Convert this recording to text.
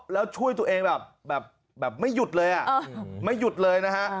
แล้วช่วยตัวเองแบบไม่หยุดเลยไม่หยุดเลยนะฮะ